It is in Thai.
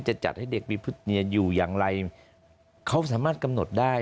จะจัดให้เด็กมีพุทธเนียนอยู่อย่างไรเขาสามารถกำหนดได้